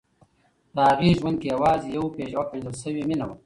د هغې ژوند کې یوازې یوه پېژندل شوې مینه وه.